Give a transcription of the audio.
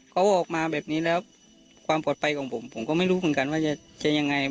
เขาออกมาแบบนี้แล้วความปลอดภัยของผมผมก็ไม่รู้เหมือนกันว่าจะยังไง